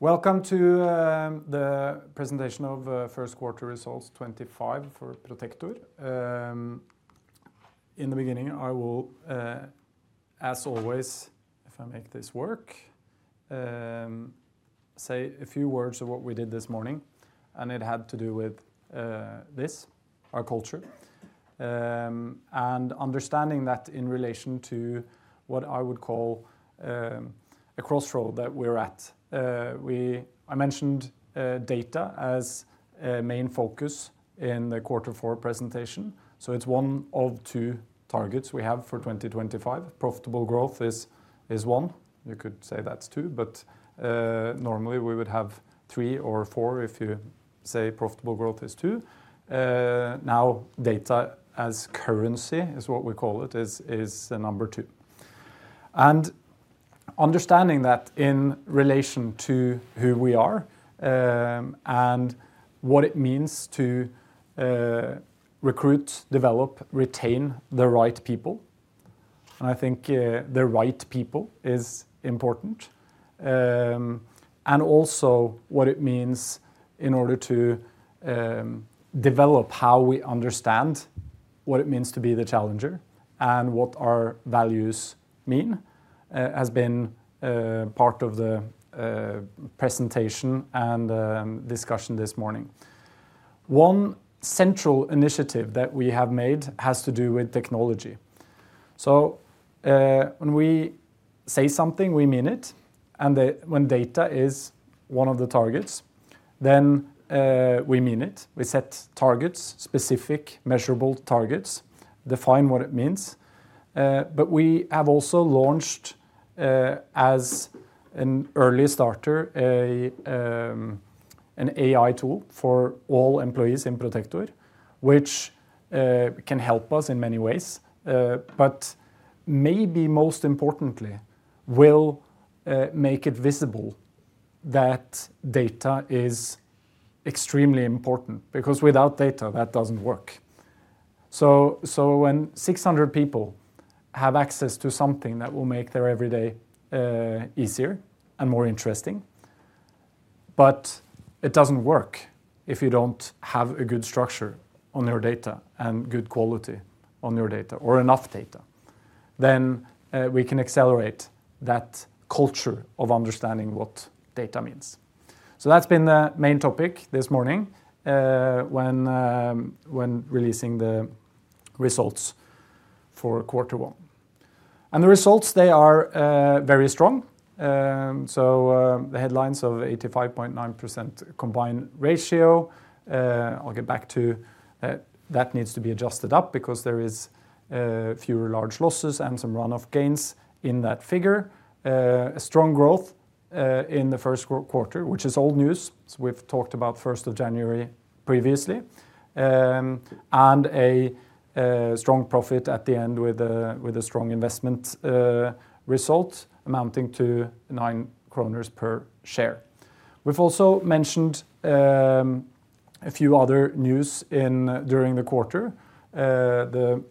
Welcome to the presentation of First Quarter Results 2025 for Protector. In the beginning, I will, as always, if I make this work, say a few words of what we did this morning, and it had to do with this, our culture, and understanding that in relation to what I would call a crossroad that we're at. I mentioned data as a main focus in the quarter four presentation. It is one of two targets we have for 2025. Profitable growth is one. You could say that's two, but normally we would have three or four if you say profitable growth is two. Now, data as currency is what we call it, is number two. Understanding that in relation to who we are and what it means to recruit, develop, retain the right people. I think the right people is important. What it means in order to develop how we understand what it means to be the challenger and what our values mean has been part of the presentation and discussion this morning. One central initiative that we have made has to do with technology. When we say something, we mean it. When data is one of the targets, then we mean it. We set targets, specific measurable targets, define what it means. We have also launched, as an early starter, an AI tool for all employees in Protector, which can help us in many ways, but maybe most importantly, will make it visible that data is extremely important because without data, that does not work. When 600 people have access to something that will make their everyday easier and more interesting, but it does not work if you do not have a good structure on your data and good quality on your data or enough data, we can accelerate that culture of understanding what data means. That has been the main topic this morning when releasing the results for quarter one. The results are very strong. The headlines of 85.9% combined ratio, I will get back to that, need to be adjusted up because there are fewer large losses and some runoff gains in that figure. Strong growth in the first quarter, which is old news. We have talked about 1st January previously and a strong profit at the end with a strong investment result amounting to 9 kroner per share. We have also mentioned a few other news during the quarter. The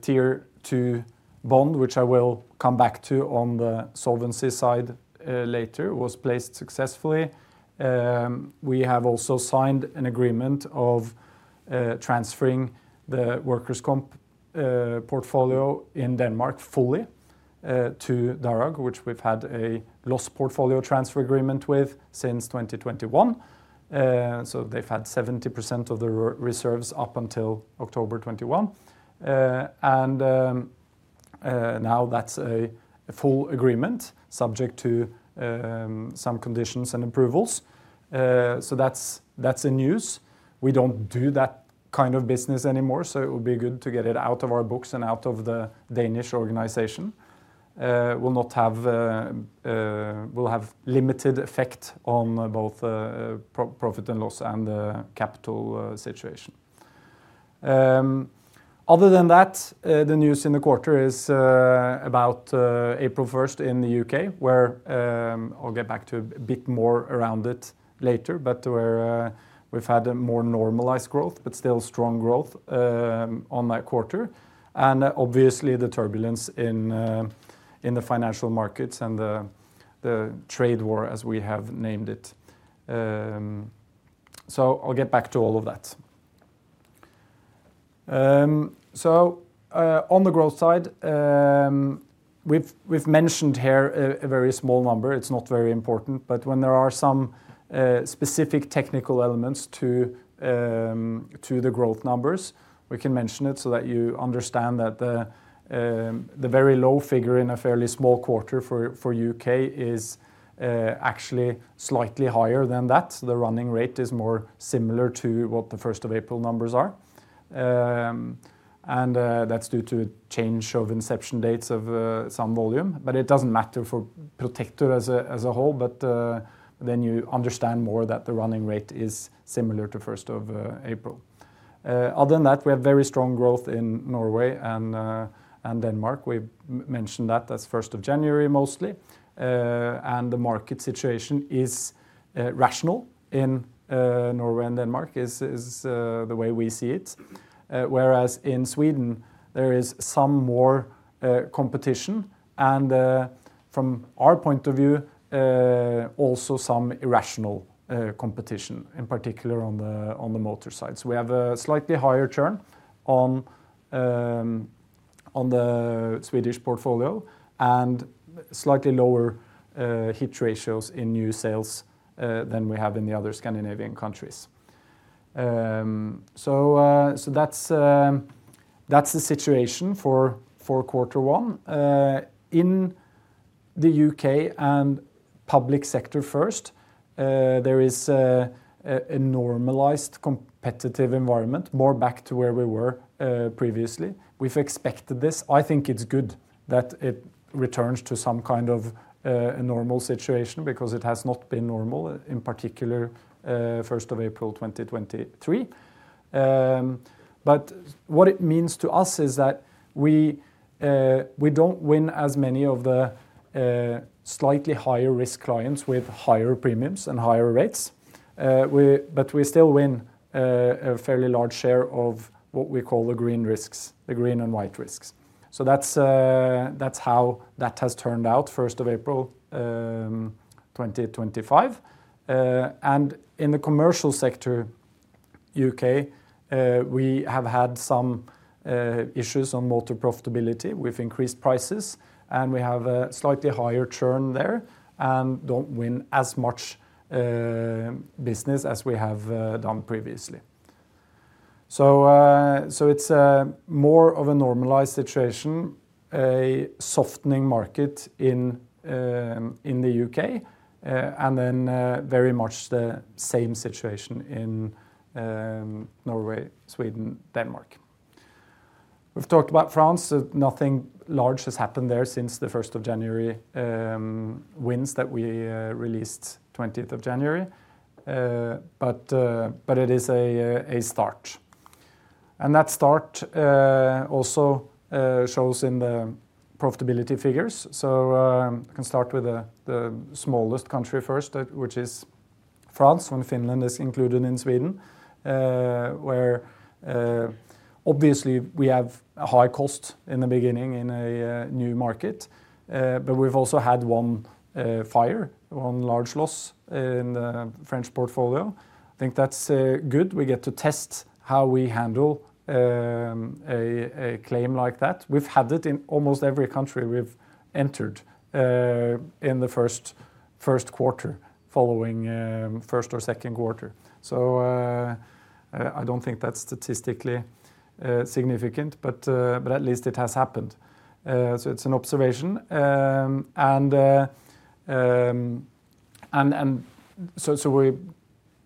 Tier 2 bond, which I will come back to on the solvency side later, was placed successfully. We have also signed an agreement of transferring the workers' comp portfolio in Denmark fully to Tryg, which we've had a loss portfolio transfer agreement with since 2021. They've had 70% of the reserves up until October 2021. Now that's a full agreement subject to some conditions and approvals. That's the news. We don't do that kind of business anymore. It would be good to get it out of our books and out of the Danish organization. It will have limited effect on both profit and loss and the capital situation. Other than that, the news in the quarter is about April 1st in the U.K., where I'll get back to a bit more around it later, but where we've had a more normalized growth, but still strong growth on that quarter. Obviously, the turbulence in the financial markets and the trade war, as we have named it. I'll get back to all of that. On the growth side, we've mentioned here a very small number. It's not very important, but when there are some specific technical elements to the growth numbers, we can mention it so that you understand that the very low figure in a fairly small quarter for U.K. is actually slightly higher than that. The running rate is more similar to what the 1st of April numbers are. That is due to a change of inception dates of some volume, but it does not matter for Protector as a whole. You understand more that the running rate is similar to 1st of April. Other than that, we have very strong growth in Norway and Denmark. We mentioned that as 1st of January mostly. The market situation is rational in Norway and Denmark is the way we see it. In Sweden, there is some more competition. From our point of view, also some irrational competition, in particular on the motor side. We have a slightly higher churn on the Swedish portfolio and slightly lower hit ratios in new sales than we have in the other Scandinavian countries. That is the situation for quarter one. In the U.K. and public sector first, there is a normalized competitive environment, more back to where we were previously. We've expected this. I think it's good that it returns to some kind of a normal situation because it has not been normal in particular 1st of April 2023. What it means to us is that we don't win as many of the slightly higher risk clients with higher premiums and higher rates, but we still win a fairly large share of what we call the green risks, the green and white risks. That's how that has turned out 1st of April 2025. In the commercial sector, U.K., we have had some issues on motor profitability with increased prices, and we have a slightly higher churn there and don't win as much business as we have done previously. It's more of a normalized situation, a softening market in the U.K., and very much the same situation in Norway, Sweden, Denmark. We've talked about France. Nothing large has happened there since the 1st of January wins that we released 20th of January, but it is a start. That start also shows in the profitability figures. I can start with the smallest country first, which is France when Finland is included in Sweden, where obviously we have a high cost in the beginning in a new market, but we've also had one fire, one large loss in the French portfolio. I think that's good. We get to test how we handle a claim like that. We've had it in almost every country we've entered in the first quarter following first or second quarter. I don't think that's statistically significant, but at least it has happened. It's an observation. We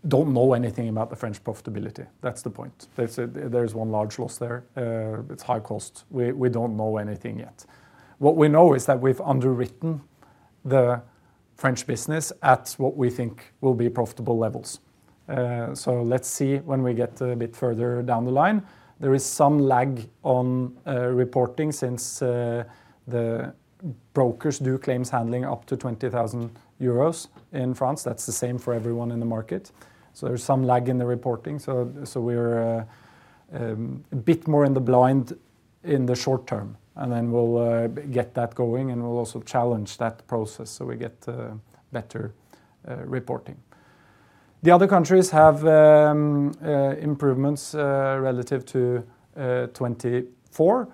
don't know anything about the French profitability. That's the point. There's one large loss there. It's high cost. We don't know anything yet. What we know is that we've underwritten the French business at what we think will be profitable levels. Let's see when we get a bit further down the line. There is some lag on reporting since the brokers do claims handling up to 20,000 euros in France. That's the same for everyone in the market. There is some lag in the reporting. We're a bit more in the blind in the short term. We'll get that going and we'll also challenge that process so we get better reporting. The other countries have improvements relative to 2024,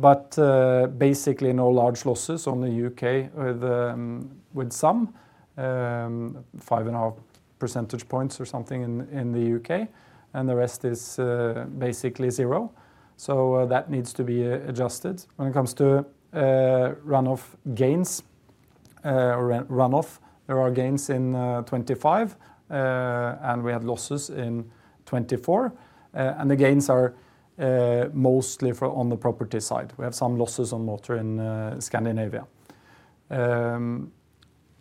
but basically no large losses on the U.K. with some, five and a half percentage points or something in the U.K. The rest is basically zero. That needs to be adjusted. When it comes to runoff gains, or runoff, there are gains in 2025, and we had losses in 2024. The gains are mostly on the property side. We have some losses on motor in Scandinavia.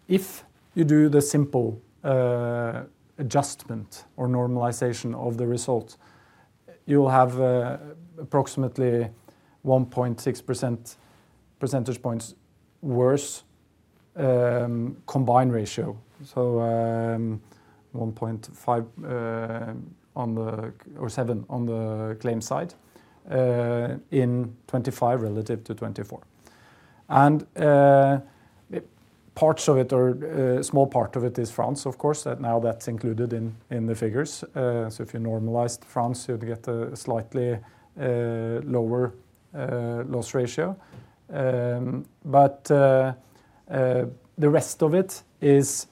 If you do the simple adjustment or normalization of the result, you'll have approximately 1.6 percentage points worse combined ratio. So 1.5 or 7 on the claim side in 2025 relative to 2024. Parts of it, or a small part of it, is France, of course. Now that's included in the figures. If you normalize France, you'd get a slightly lower loss ratio. The rest of it is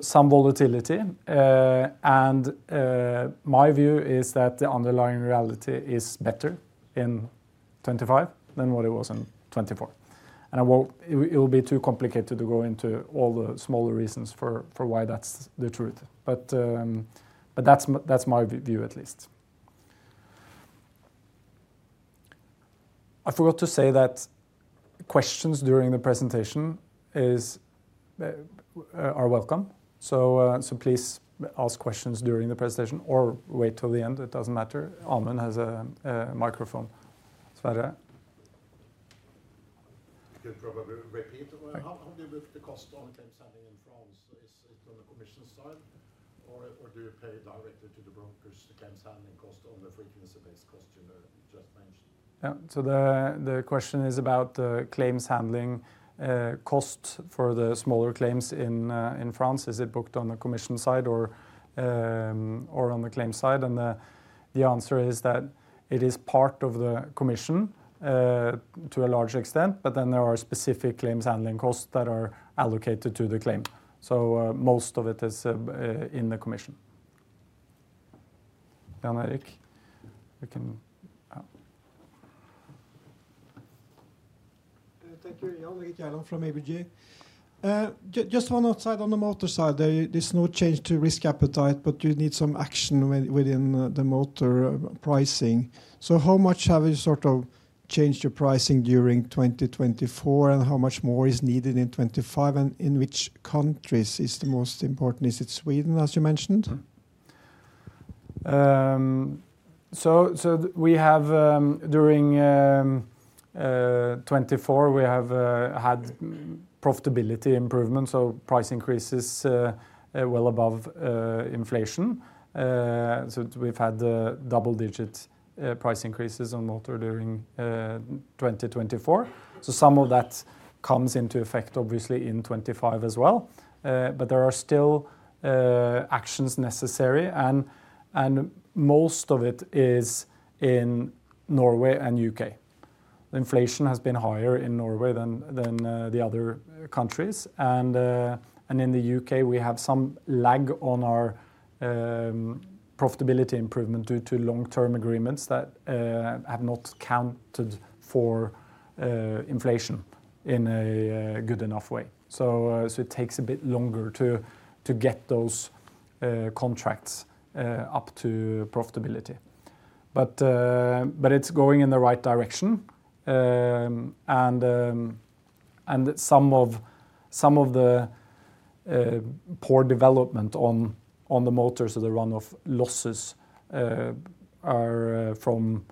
some volatility. My view is that the underlying reality is better in 2025 than what it was in 2024. It will be too complicated to go into all the smaller reasons for why that's the truth. But that's my view at least. I forgot to say that questions during the presentation are welcome. Please ask questions during the presentation or wait till the end. It doesn't matter. Amund has a microphone. Sure, you can probably repeat. How do you move the cost on claims handling in France? Is it on the commission side or do you pay directly to the brokers the claims handling cost on the frequency-based cost you just mentioned? Yeah. The question is about the claims handling cost for the smaller claims in France. Is it booked on the commission side or on the claim side? The answer is that it is part of the commission to a large extent, but then there are specific claims handling costs that are allocated to the claim. Most of it is in the commission. Jan Erik, you can. Thank you. Jan Erik Gjerland from ABG. Just one outside on the motor side, there is no change to risk appetite, but you need some action within the motor pricing. How much have you sort of changed your pricing during 2024 and how much more is needed in 2025 and in which countries is the most important? Is it Sweden, as you mentioned? During 2024, we have had profitability improvements. Price increases well above inflation. We have had double-digit price increases on motor during 2024. Some of that comes into effect, obviously, in 2025 as well. There are still actions necessary. Most of it is in Norway and U.K. The inflation has been higher in Norway than the other countries. In the U.K., we have some lag on our profitability improvement due to long-term agreements that have not accounted for inflation in a good enough way. It takes a bit longer to get those contracts up to profitability. It is going in the right direction. Some of the poor development on the motors, the runoff losses are from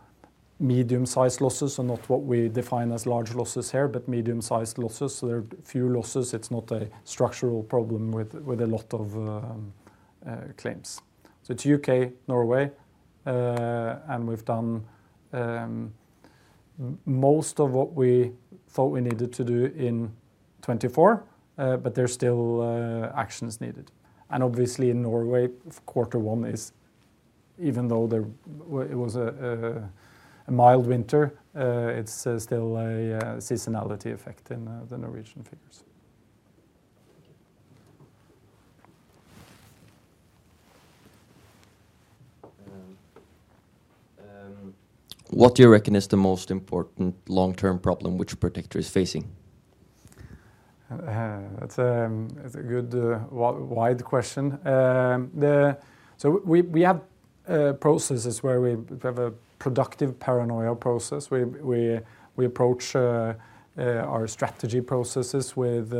medium-sized losses. Not what we define as large losses here, but medium-sized losses. There are few losses. It is not a structural problem with a lot of claims. It is U.K., Norway. We have done most of what we thought we needed to do in 2024, but there are still actions needed. Obviously, in Norway, quarter one is, even though it was a mild winter, still a seasonality effect in the Norwegian figures. What do you reckon is the most important long-term problem which Protector is facing? That's a good wide question. We have processes where we have a productive paranoia process. We approach our strategy processes with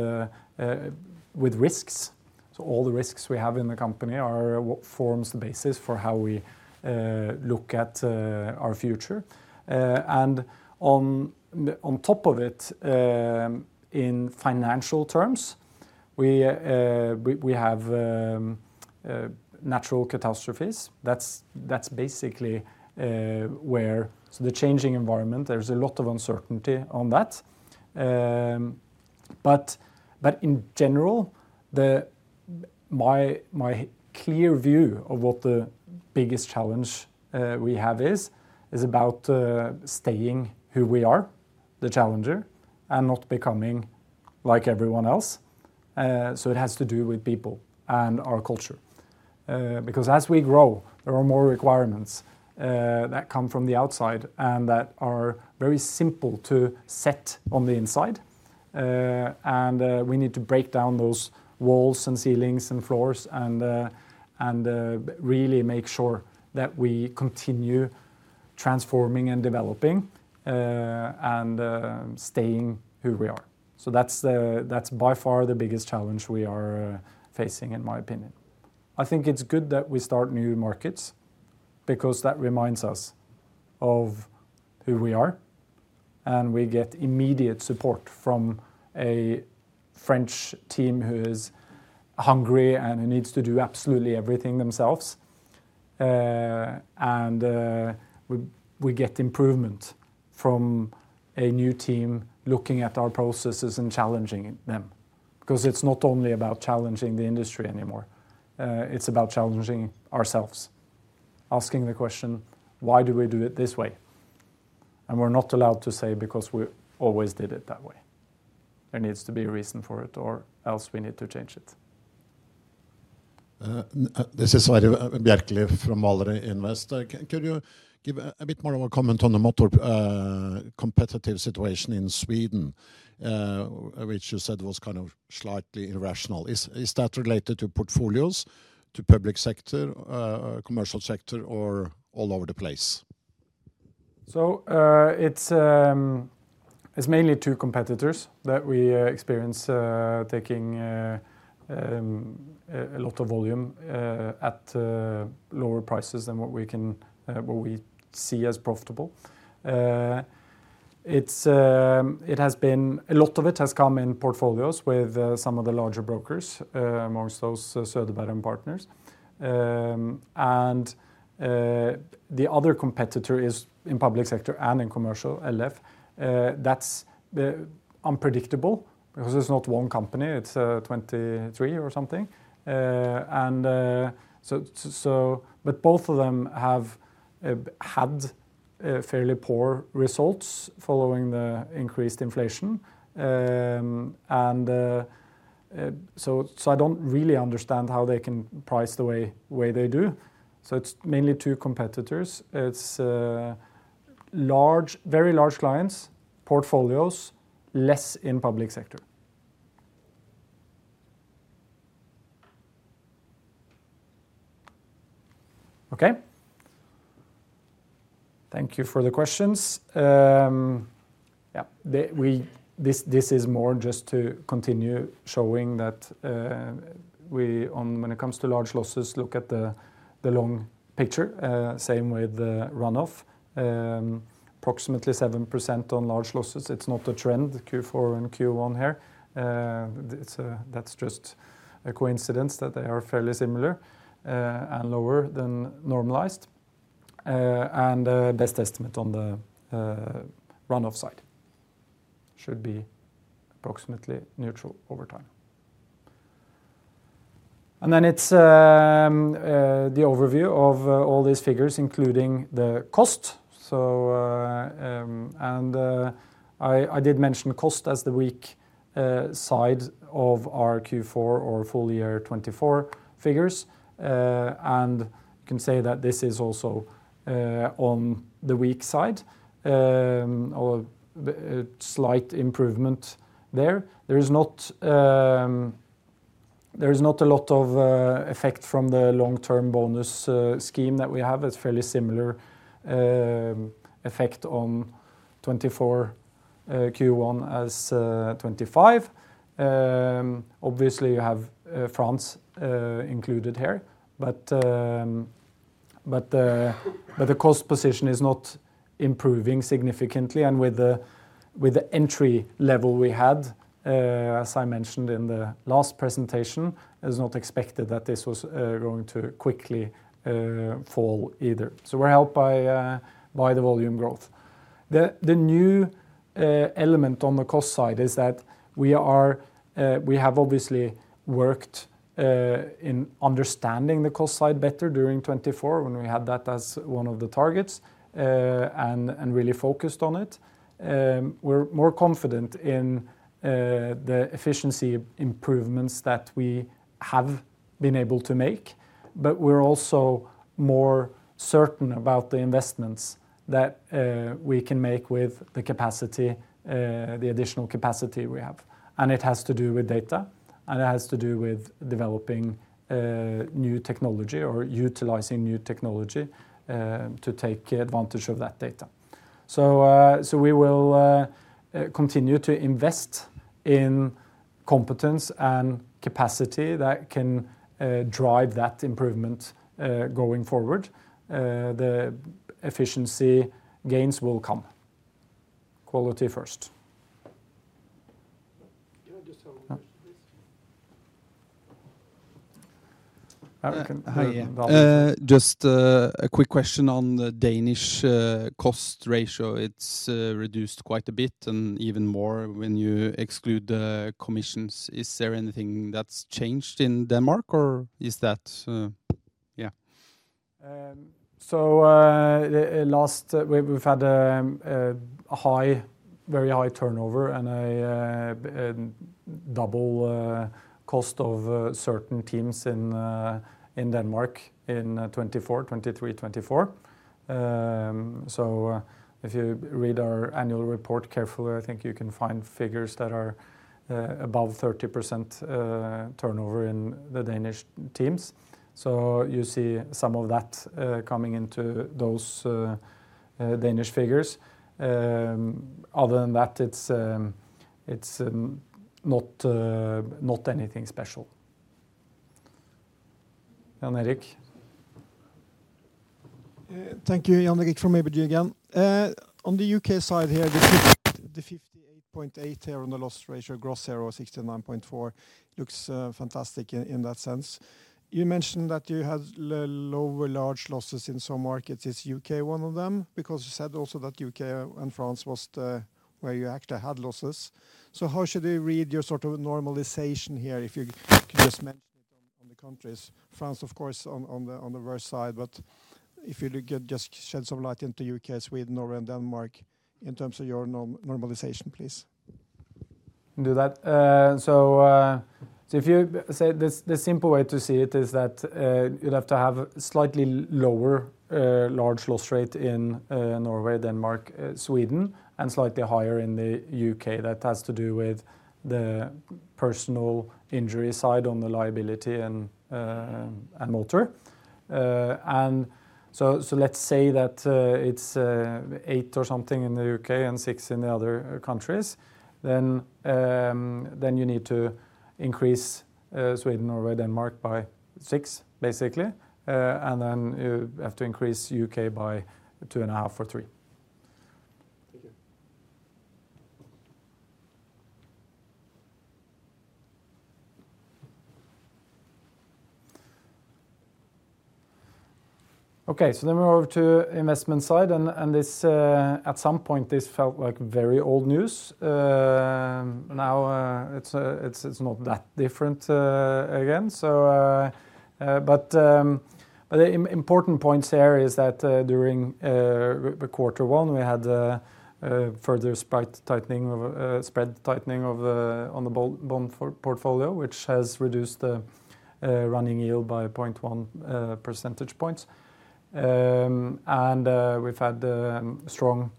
risks. All the risks we have in the company are what forms the basis for how we look at our future. On top of it, in financial terms, we have natural catastrophes. That's basically where the changing environment, there's a lot of uncertainty on that. In general, my clear view of what the biggest challenge we have is about staying who we are, the challenger, and not becoming like everyone else. It has to do with people and our culture. As we grow, there are more requirements that come from the outside and that are very simple to set on the inside. We need to break down those walls and ceilings and floors and really make sure that we continue transforming and developing and staying who we are. That is by far the biggest challenge we are facing, in my opinion. I think it is good that we start new markets because that reminds us of who we are. We get immediate support from a French team who is hungry and who needs to do absolutely everything themselves. We get improvement from a new team looking at our processes and challenging them. It is not only about challenging the industry anymore. It is about challenging ourselves. Asking the question, why do we do it this way? We are not allowed to say because we always did it that way. There needs to be a reason for it or else we need to change it. This is Sverre Bjerkeli from Hvaler Invest. Can you give a bit more of a comment on the motor competitive situation in Sweden, which you said was kind of slightly irrational? Is that related to portfolios, to public sector, commercial sector, or all over the place? It is mainly two competitors that we experience taking a lot of volume at lower prices than what we see as profitable. A lot of it has come in portfolios with some of the larger brokers, amongst those Söderberg & Partners. The other competitor is in public sector and in commercial LF. That is unpredictable because it is not one company. It is 23 or something. Both of them have had fairly poor results following the increased inflation. I do not really understand how they can price the way they do. It is mainly two competitors. It is very large clients, portfolios, less in public sector. Okay. Thank you for the questions. Yeah. This is more just to continue showing that when it comes to large losses, look at the long picture. Same with runoff. Approximately 7% on large losses. It's not a trend, Q4 and Q1 here. That's just a coincidence that they are fairly similar and lower than normalized. Best estimate on the runoff side should be approximately neutral over time. It is the overview of all these figures, including the cost. I did mention cost as the weak side of our Q4 or full year 2024 figures. You can say that this is also on the weak side, a slight improvement there. There is not a lot of effect from the long-term bonus scheme that we have. It's fairly similar effect on 2024, Q1 as 2025. Obviously, you have France included here. The cost position is not improving significantly. With the entry level we had, as I mentioned in the last presentation, it's not expected that this was going to quickly fall either. We are helped by the volume growth. The new element on the cost side is that we have obviously worked in understanding the cost side better during 2024 when we had that as one of the targets and really focused on it. We are more confident in the efficiency improvements that we have been able to make. We are also more certain about the investments that we can make with the additional capacity we have. It has to do with data. It has to do with developing new technology or utilizing new technology to take advantage of that data. We will continue to invest in competence and capacity that can drive that improvement going forward. The efficiency gains will come. Quality first. Just a quick question on the Danish cost ratio. It's reduced quite a bit and even more when you exclude the commissions. Is there anything that's changed in Denmark or is that? Yeah. Last, we've had a very high turnover and a double cost of certain teams in Denmark in 2023, 2024. If you read our annual report carefully, I think you can find figures that are above 30% turnover in the Danish teams. You see some of that coming into those Danish figures. Other than that, it's not anything special. Jan Erik. Thank you, Jan Erik, from ABG again. On the U.K. side here, the 58.8 here on the loss ratio, gross ratio 69.4, looks fantastic in that sense. You mentioned that you had lower large losses in some markets. Is U.K. one of them? Because you said also that U.K. and France was where you actually had losses. So how should you read your sort of normalization here if you could just mention it on the countries? France, of course, on the worst side. But if you just shed some light into U.K., Sweden, Norway, and Denmark in terms of your normalization, please. I'll do that. If you say the simple way to see it is that you'd have to have slightly lower large loss rate in Norway, Denmark, Sweden, and slightly higher in the U.K. That has to do with the personal injury side on the liability and motor. Let's say that it's 8 or something in the U.K. and 6 in the other countries. Then you need to increase Sweden, Norway, Denmark by 6, basically. And then you have to increase U.K. by 2.5 or 3. Thank you. Okay. We're over to investment side. At some point, this felt like very old news. Now, it's not that different again. The important points here is that during quarter one, we had further spread tightening of the bond portfolio, which has reduced the running yield by 0.1 percentage points. We've had a strong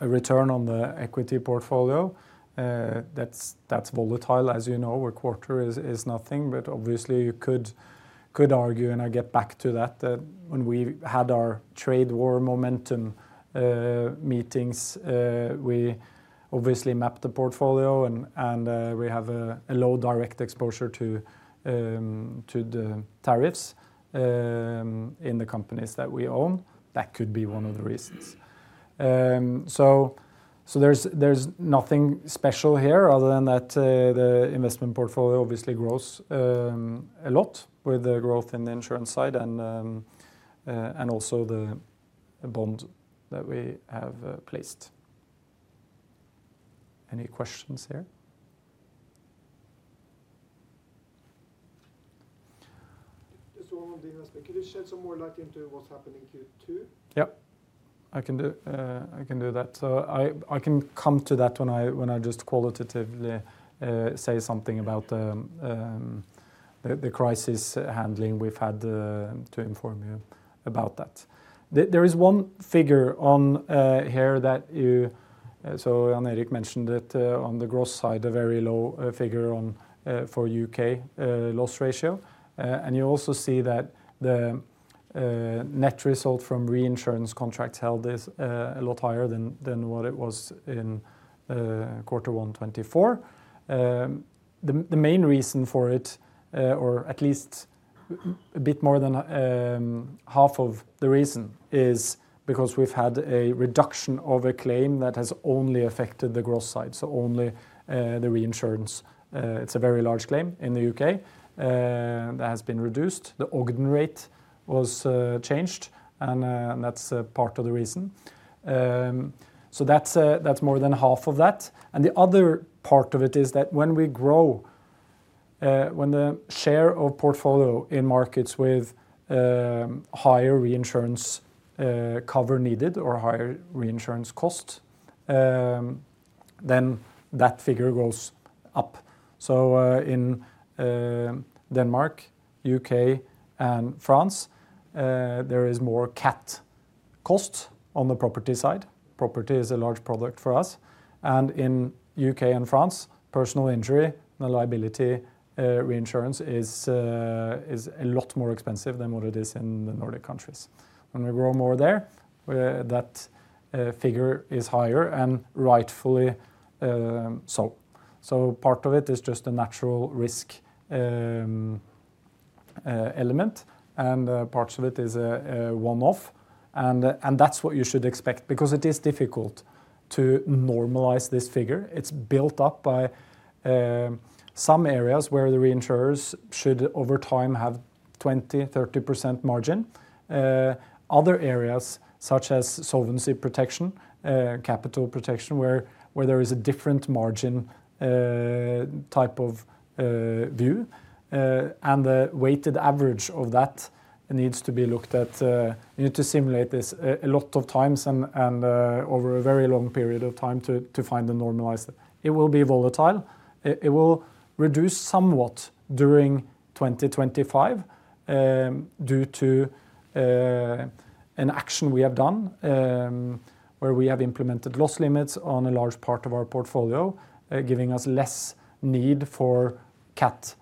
return on the equity portfolio. That's volatile, as you know, where quarter is nothing. Obviously, you could argue, and I get back to that, that when we had our trade war momentum meetings, we obviously mapped the portfolio and we have a low direct exposure to the tariffs in the companies that we own. That could be one of the reasons. There's nothing special here other than that the investment portfolio obviously grows a lot with the growth in the insurance side and also the bond that we have placed. Any questions here? Just one more thing. Could you shed some more light into what's happening in Q2? Yeah. I can do that. I can come to that when I just qualitatively say something about the crisis handling we've had to inform you about that. There is one figure here that you, so Jan Erik mentioned it on the gross side, a very low figure for U.K. loss ratio. You also see that the net result from reinsurance contracts held is a lot higher than what it was in quarter one, 2024. The main reason for it, or at least a bit more than half of the reason, is because we've had a reduction of a claim that has only affected the gross side. Only the reinsurance. It's a very large claim in the U.K. that has been reduced. The Ogden rate was changed. That is part of the reason. That is more than half of that. The other part of it is that when we grow, when the share of portfolio in markets with higher reinsurance cover needed or higher reinsurance cost, then that figure goes up. In Denmark, U.K., and France, there is more CAT cost on the property side. Property is a large product for us. In U.K. and France, personal injury and liability reinsurance is a lot more expensive than what it is in the Nordic countries. When we grow more there, that figure is higher and rightfully so. Part of it is just a natural risk element. Parts of it is a one-off. That is what you should expect because it is difficult to normalize this figure. It is built up by some areas where the reinsurers should over time have 20-30% margin. Other areas, such as solvency protection, capital protection, where there is a different margin type of view. The weighted average of that needs to be looked at. You need to simulate this a lot of times and over a very long period of time to find the normalized. It will be volatile. It will reduce somewhat during 2025 due to an action we have done where we have implemented loss limits on a large part of our portfolio, giving us less need for CAT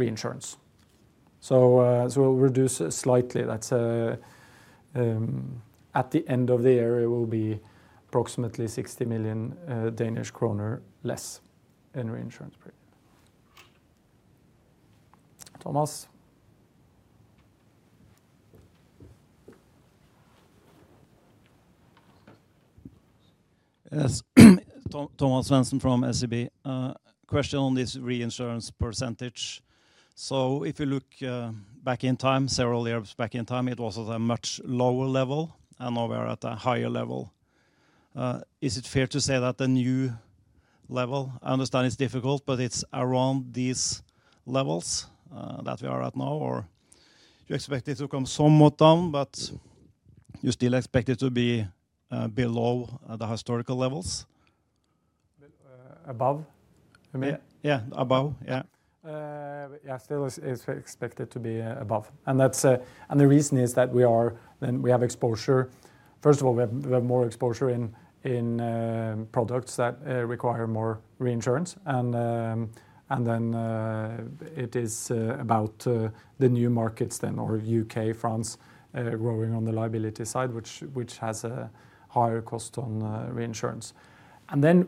reinsurance. It will reduce slightly. At the end of the year, it will be approximately 60 million Danish kroner less in reinsurance. Thomas. Thomas Svendsen from SEB. Question on this reinsurance percentage. If you look back in time, several years back in time, it was at a much lower level. Now we are at a higher level. Is it fair to say that the new level, I understand it's difficult, but it's around these levels that we are at now? Or do you expect it to come somewhat down, but you still expect it to be below the historical levels? Above, you mean? Yeah, above, yeah. Yeah, still it's expected to be above. The reason is that we have exposure. First of all, we have more exposure in products that require more reinsurance. It is about the new markets then, or U.K., France, growing on the liability side, which has a higher cost on reinsurance.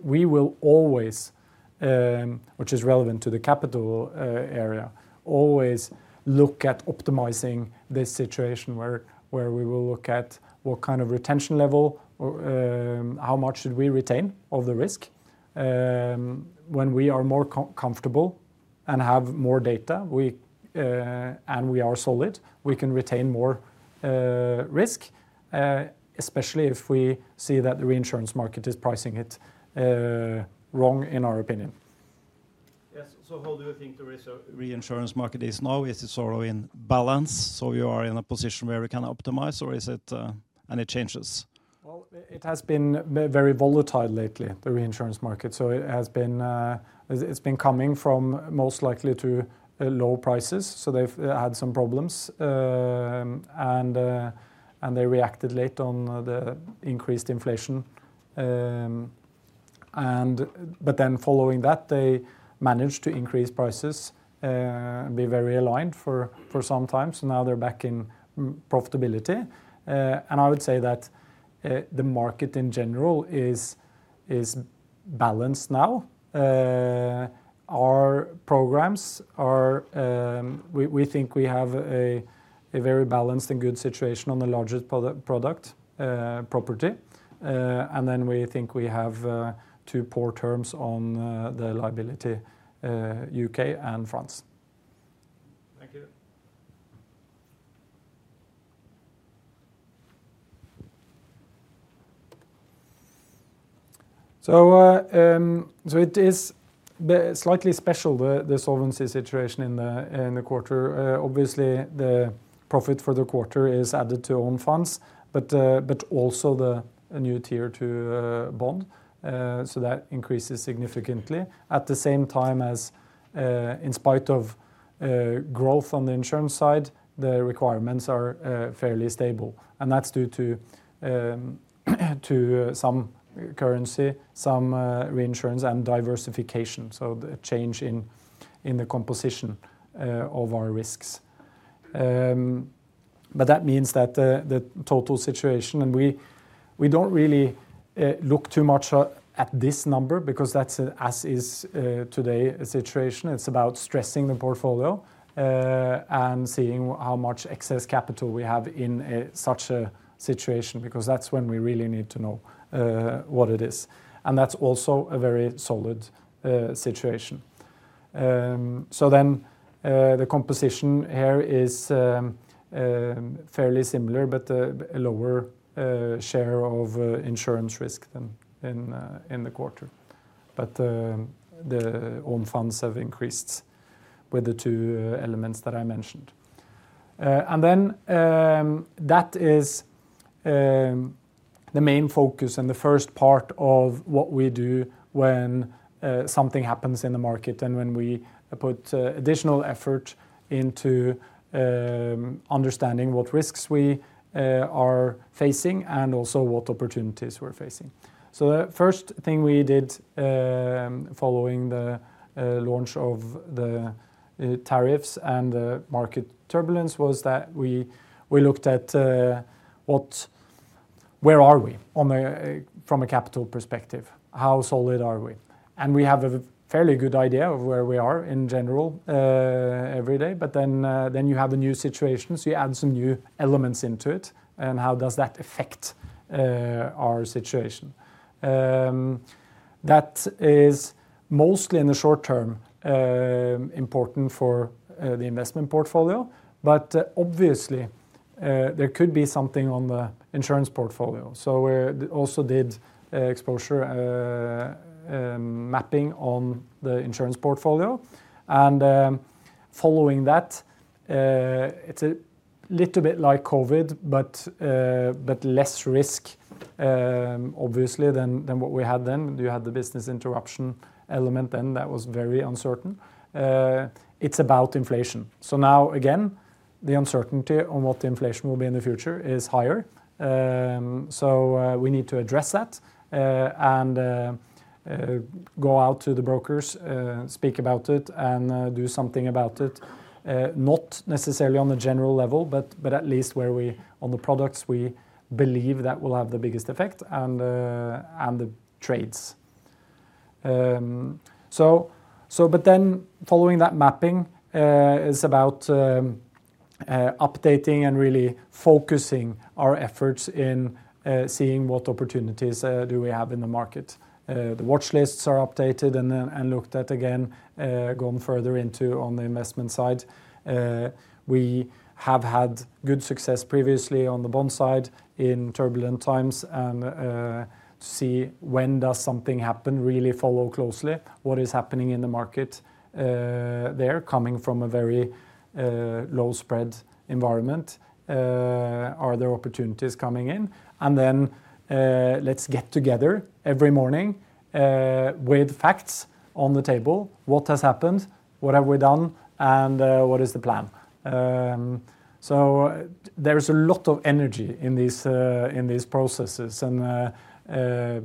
We will always, which is relevant to the capital area, always look at optimizing this situation where we will look at what kind of retention level, how much should we retain of the risk. When we are more comfortable and have more data and we are solid, we can retain more risk, especially if we see that the reinsurance market is pricing it wrong, in our opinion. Yes. How do you think the reinsurance market is now? Is it sort of in balance? You are in a position where we can optimize, or is it any changes? It has been very volatile lately, the reinsurance market. It has been coming from most likely to low prices. They have had some problems. They reacted late on the increased inflation. Following that, they managed to increase prices and be very aligned for some time. Now they are back in profitability. I would say that the market in general is balanced now. Our programs, we think we have a very balanced and good situation on the larger product property. We think we have two poor terms on the liability, U.K. and France. Thank you. It is slightly special, the solvency situation in the quarter. Obviously, the profit for the quarter is added to own funds, but also the new tier 2 bond. That increases significantly. At the same time, in spite of growth on the insurance side, the requirements are fairly stable. That is due to some currency, some reinsurance, and diversification. The change in the composition of our risks means that the total situation, and we do not really look too much at this number because that is an as-is today situation. It is about stressing the portfolio and seeing how much excess capital we have in such a situation because that is when we really need to know what it is. That is also a very solid situation. The composition here is fairly similar, but a lower share of insurance risk than in the quarter. The own funds have increased with the two elements that I mentioned. That is the main focus and the first part of what we do when something happens in the market and when we put additional effort into understanding what risks we are facing and also what opportunities we're facing. The first thing we did following the launch of the tariffs and the market turbulence was that we looked at where are we from a capital perspective. How solid are we? We have a fairly good idea of where we are in general every day. You have a new situation, so you add some new elements into it. How does that affect our situation? That is mostly in the short term important for the investment portfolio. Obviously, there could be something on the insurance portfolio. We also did exposure mapping on the insurance portfolio. Following that, it is a little bit like COVID, but less risk, obviously, than what we had then. You had the business interruption element then that was very uncertain. It is about inflation. Now, again, the uncertainty on what the inflation will be in the future is higher. We need to address that and go out to the brokers, speak about it, and do something about it. Not necessarily on a general level, but at least on the products we believe that will have the biggest effect and the trades. Following that mapping, it is about updating and really focusing our efforts in seeing what opportunities do we have in the market. The watchlists are updated and looked at again, gone further into on the investment side. We have had good success previously on the bond side in turbulent times and to see when does something happen really follow closely. What is happening in the market there coming from a very low spread environment? Are there opportunities coming in? Let's get together every morning with facts on the table. What has happened? What have we done? What is the plan? There is a lot of energy in these processes. We are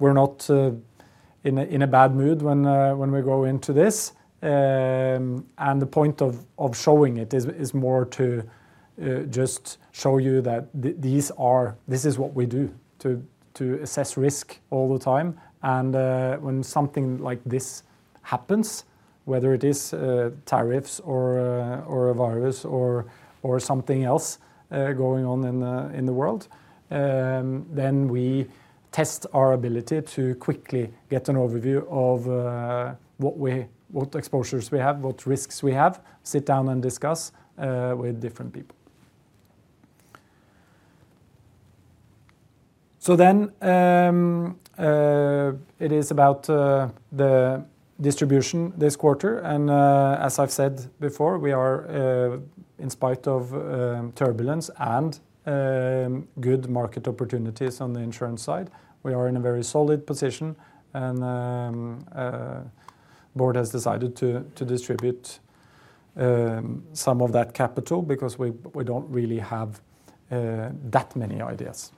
not in a bad mood when we go into this. The point of showing it is more to just show you that this is what we do to assess risk all the time. When something like this happens, whether it is tariffs or a virus or something else going on in the world, we test our ability to quickly get an overview of what exposures we have, what risks we have, sit down and discuss with different people. It is about the distribution this quarter. As I've said before, in spite of turbulence and good market opportunities on the insurance side, we are in a very solid position. The board has decided to distribute some of that capital because we do not really have that many ideas.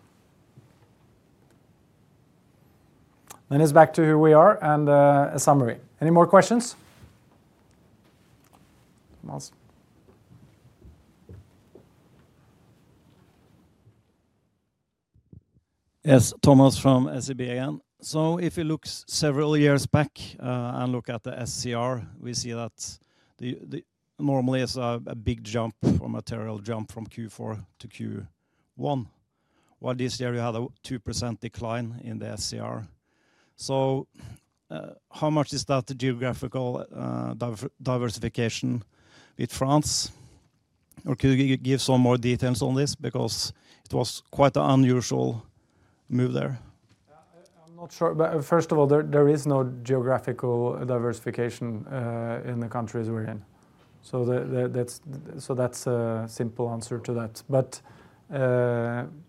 It is back to who we are and a summary. Any more questions? Yes, Thomas from SEB again. If you look several years back and look at the SCR, we see that normally it is a big jump, a terrible jump from Q4 to Q1. While this year you had a 2% decline in the SCR. How much is that geographical diversification with France? Could you give some more details on this because it was quite an unusual move there? I'm not sure. First of all, there is no geographical diversification in the countries we're in. That's a simple answer to that.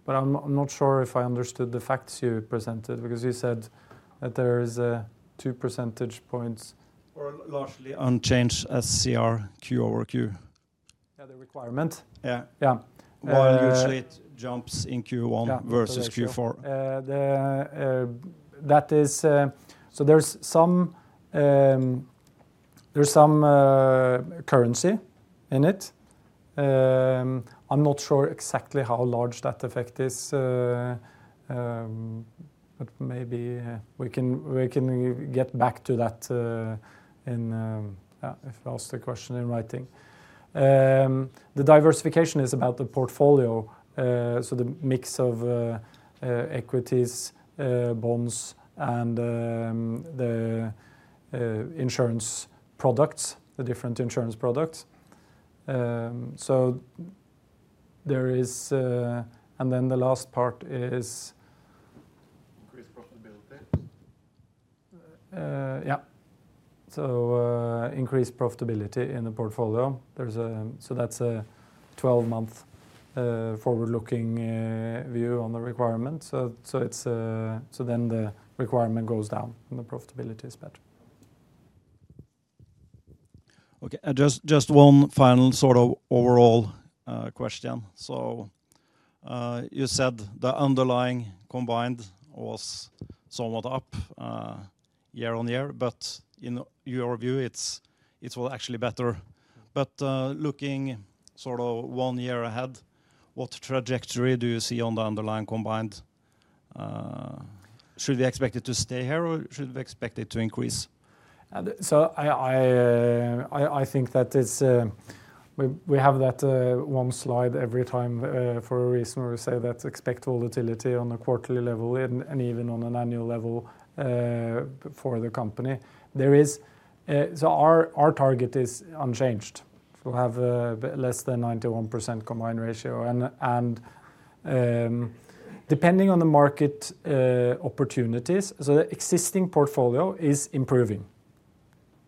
I'm not sure if I understood the facts you presented because you said that there is a 2 percentage points. Or largely unchanged SCR Q over Q. Yeah, the requirement. Yeah. Usually it jumps in Q1 versus Q4. That is, there's some currency in it. I'm not sure exactly how large that effect is. Maybe we can get back to that if you ask the question in writing. The diversification is about the portfolio. The mix of equities, bonds, and the insurance products, the different insurance products. The last part is increased profitability. Yeah. Increased profitability in the portfolio. That is a 12-month forward-looking view on the requirement. The requirement goes down and the profitability is better. Okay. Just one final sort of overall question. You said the underlying combined was somewhat up year on year, but in your view, it is actually better. Looking sort of one year ahead, what trajectory do you see on the underlying combined? Should we expect it to stay here or should we expect it to increase? I think that we have that one slide every time for a reason where we say that expect volatility on a quarterly level and even on an annual level for the company. Our target is unchanged. We'll have less than 91% combined ratio. Depending on the market opportunities, the existing portfolio is improving.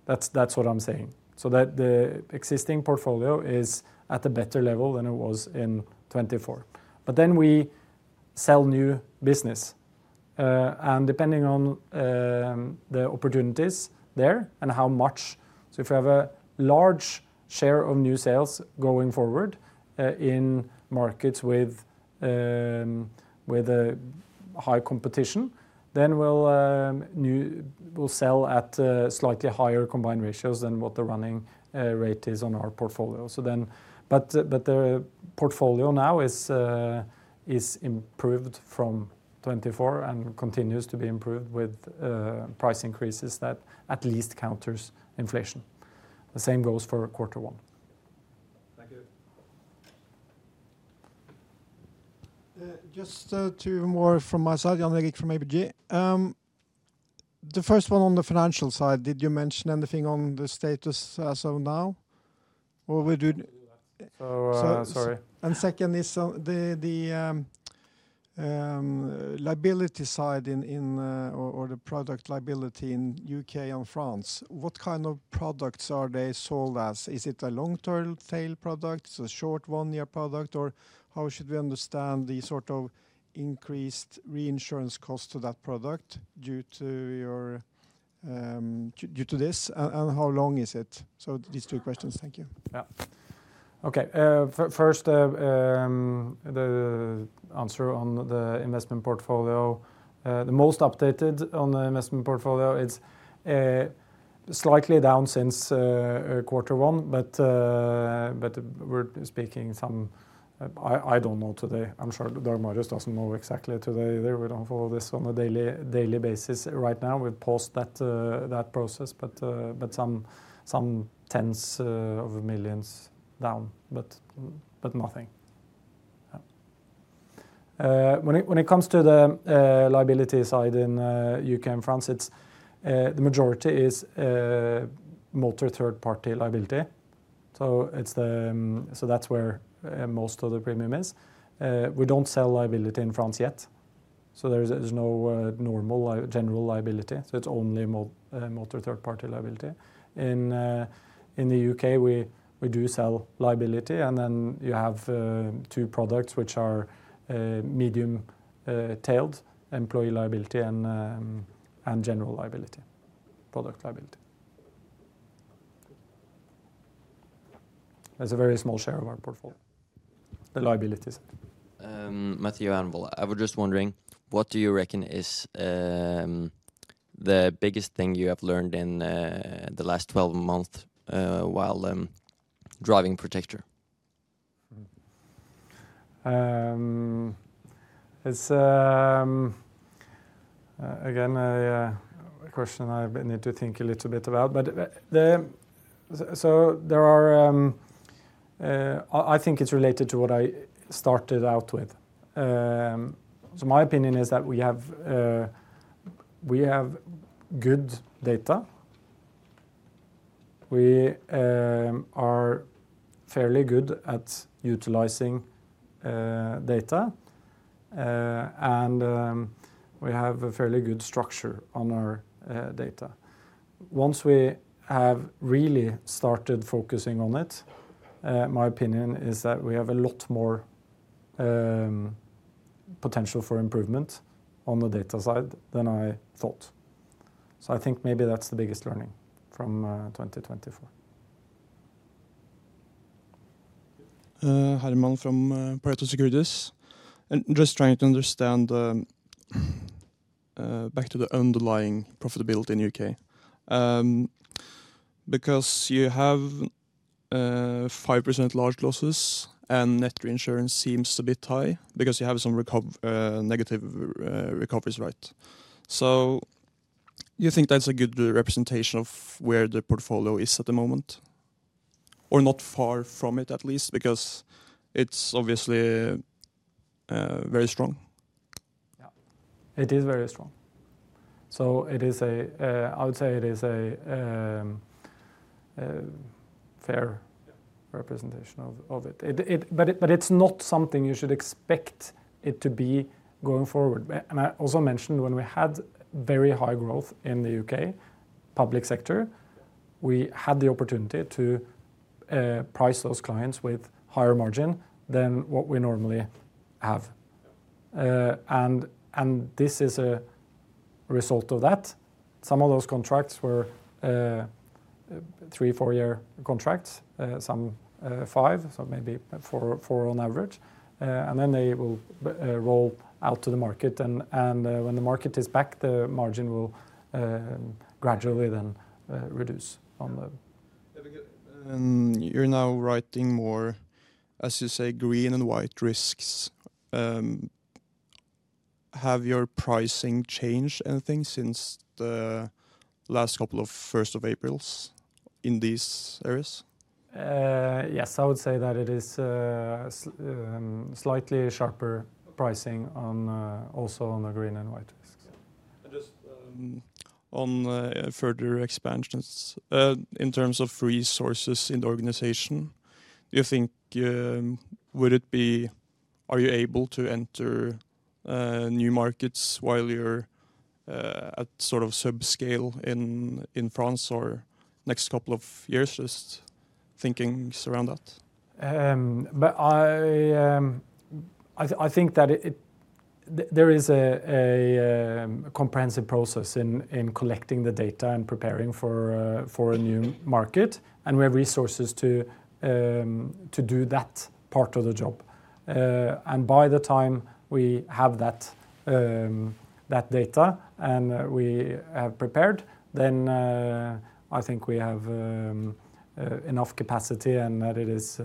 That's what I'm saying. The existing portfolio is at a better level than it was in 2024. We sell new business. Depending on the opportunities there and how much, if we have a large share of new sales going forward in markets with high competition, we'll sell at slightly higher combined ratios than what the running rate is on our portfolio. The portfolio now is improved from 2024 and continues to be improved with price increases that at least counter inflation. The same goes for quarter one. Thank you. Just two more from my side. I'm Erik from ABG. The first one on the financial side, did you mention anything on the status as of now? Or we do. Sorry. Second is the liability side or the product liability in the U.K. and France. What kind of products are they sold as? Is it a long-term sale product, a short one-year product, or how should we understand the sort of increased reinsurance cost to that product due to this? How long is it? These two questions. Thank you. Yeah. Okay. First, the answer on the investment portfolio. The most updated on the investment portfolio is slightly down since quarter one, but we're speaking some, I don't know today. I'm sure Dag Marius just doesn't know exactly today either. We don't follow this on a daily basis right now. We post that process, but some tens of millions down, but nothing. When it comes to the liability side in the U.K. and France, the majority is motor third-party liability. That's where most of the premium is. We don't sell liability in France yet. There's no normal general liability. It's only motor third-party liability. In the U.K., we do sell liability. You have two products, which are medium-tailed Employers' Liability and general liability, product liability. There's a very small share of our portfolio, the liabilities. Matthew Anvall, I was just wondering, what do you reckon is the biggest thing you have learned in the last 12 months while driving Protector? It's, again, a question I need to think a little bit about. I think it's related to what I started out with. My opinion is that we have good data. We are fairly good at utilizing data. We have a fairly good structure on our data. Once we have really started focusing on it, my opinion is that we have a lot more potential for improvement on the data side than I thought. I think maybe that's the biggest learning from 2024. Herman from Pareto Securities. Just trying to understand back to the underlying profitability in the U.K. Because you have 5% large losses and net reinsurance seems a bit high because you have some negative recoveries, right? You think that's a good representation of where the portfolio is at the moment? Or not far from it at least because it's obviously very strong. Yeah. It is very strong. I would say it is a fair representation of it. It is not something you should expect it to be going forward. I also mentioned when we had very high growth in the U.K. public sector, we had the opportunity to price those clients with higher margin than what we normally have. This is a result of that. Some of those contracts were three, four-year contracts, some five, so maybe four on average. They will roll out to the market. When the market is back, the margin will gradually then reduce. You are now writing more, as you say, green and white risks. Has your pricing changed anything since the last couple of 1st of April's in these areas? Yes, I would say that it is slightly sharper pricing also on the green and white risks. On further expansions in terms of resources in the organization, do you think would it be, are you able to enter new markets while you're at sort of subscale in France or next couple of years? Just thinking around that. I think that there is a comprehensive process in collecting the data and preparing for a new market. We have resources to do that part of the job. By the time we have that data and we have prepared, then I think we have enough capacity and that it is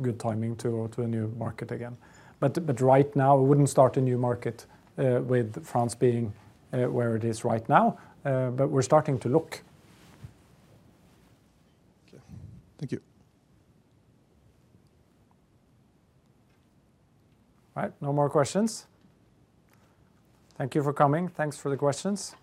good timing to a new market again. Right now, we wouldn't start a new market with France being where it is right now. We're starting to look. Thank you. All right. No more questions. Thank you for coming. Thanks for the questions.